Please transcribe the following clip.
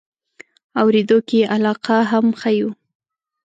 اورېدو کې یې علاقه هم ښیو.